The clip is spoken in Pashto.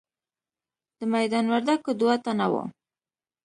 د میدان وردګو دوه تنه وو.